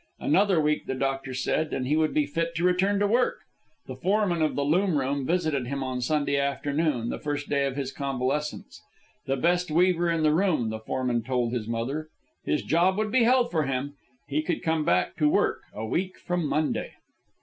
Another week, the doctor said, and he would be fit to return to work. The foreman of the loom room visited him on Sunday afternoon, the first day of his convalescence. The best weaver in the room, the foreman told his mother. His job would be held for him. He could come back to work a week from Monday.